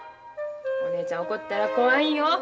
お姉ちゃん怒ったら怖いよ。